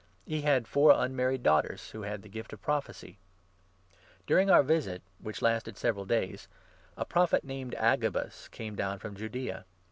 He had four unmarried 9 daughters, who had the gift of prophecy. During our 10 visit, which lasted several days, a Prophet, named Agabus, came down from Judaea.